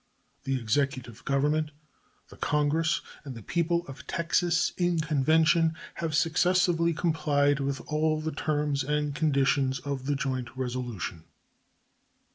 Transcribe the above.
The executive government, the Congress, and the people of Texas in convention have successively complied with all the terms and conditions of the joint resolution.